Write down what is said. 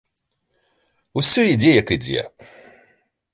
Усё ідзе, як ідзе.